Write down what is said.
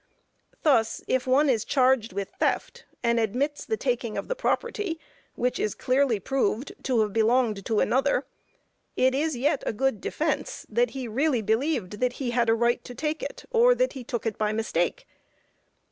Thus, if one is charged with theft, and admits the taking of the property, which is clearly proved to have belonged to another, it is yet a good defence that he really believed that he had a right to take it, or that he took it by mistake.